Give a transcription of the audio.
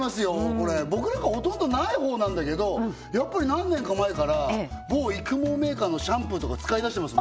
これ僕なんかほとんどない方なんだけどやっぱり何年か前から某育毛メーカーのシャンプーとか使いだしてます